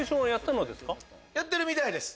やってるみたいです。